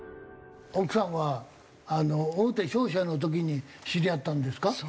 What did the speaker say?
奥さんは大手商社の時に知り合ったんですか？